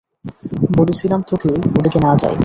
বলেছিলাম তোকে ওদিকে না যাই।